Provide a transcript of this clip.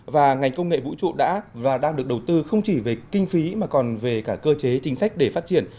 và ngành công nghệ vũ trụ đã và đang được đầu tư không chỉ về kinh phí mà còn về cả cơ chế chính sách để phát triển